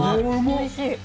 おいしい。